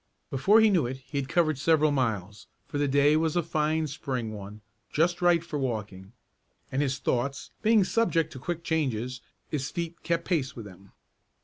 Before he knew it he had covered several miles, for the day was a fine Spring one, just right for walking, and his thoughts, being subject to quick changes, his feet kept pace with them.